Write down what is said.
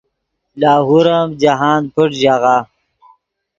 لاہور ام جاہند پݯ ژاغہ